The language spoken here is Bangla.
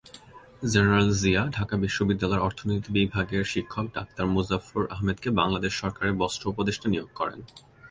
জেনারেল জিয়া ঢাকা বিশ্ববিদ্যালয়ের অর্থনীতি বিভাগের শিক্ষক ডাক্তার মুজাফফর আহমদকে বাংলাদেশ সরকারের বস্ত্র উপদেষ্টা নিয়োগ করেন।